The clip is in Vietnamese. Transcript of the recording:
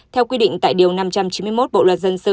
theo quy định tại điều năm trăm chín mươi một bộ luật dân sự